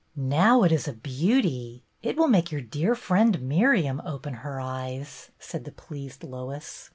" Now it is a beauty. It will make your dear friend Miriam open her eyes," said the pleased Lois.